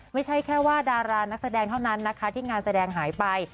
ไม่ใช่แค่ว่าดารานักแสดงเท่านั้นนะคะที่งานแสดงหายไป